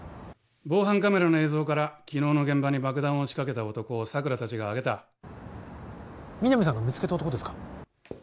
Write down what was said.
防犯カメラの映像から昨日の現場に爆弾を仕掛けた男を佐久良たちがあげた皆実さんが見つけた男ですか？